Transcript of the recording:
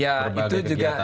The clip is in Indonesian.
ya itu juga